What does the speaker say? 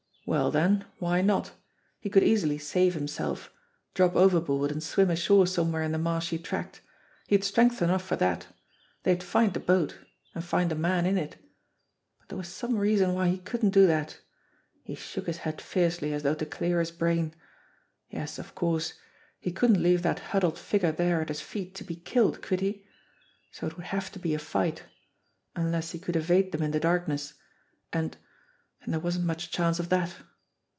Well, then, why not? He could easily save himself. Drop overboard and swim ashore somewhere in the marshy tract. He had strength enough for that. They'd find the boat and find a man in it ! But there was some reason why he couldn't do that. He shook his head fiercely as though to clear his brain. Yes, of course ! He couldn't leave that huddled figure there at his feet to be killed, could he? So it would have to be a fight, unless he could evade them in the darkness. And and there wasn't much chance of that.